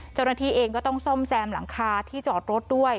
เจ้าหน้าที่เองก็ต้องซ่อมแซมหลังคาที่จอดรถด้วย